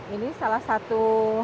ini salah satu